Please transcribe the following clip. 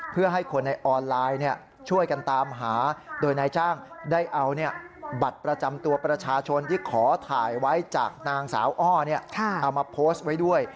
เพื่อให้คนในออนไลน์ช่วยกันตามหาโดยนายจ้างได้เอาบัตรประจำตัวประชาชนที่ขอถ่ายไว้จากนางสาวอ้อเอามาโพสต์ไว้ด้วย